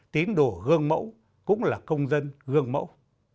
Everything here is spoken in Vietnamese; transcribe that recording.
tín đồ gương mẫu cũng là công dân gương mẫu